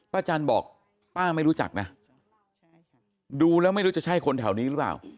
จันบอกป้าไม่รู้จักนะดูแล้วไม่รู้จะใช่คนแถวนี้หรือเปล่า